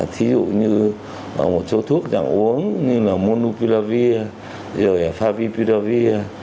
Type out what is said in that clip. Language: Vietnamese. thí dụ như một số thuốc giảm uống như là monopilavir rồi là favipilavir